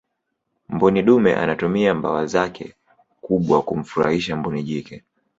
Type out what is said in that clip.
mbuni dume anatumia mbawa zake kubwa kumfurahisha mbuni jike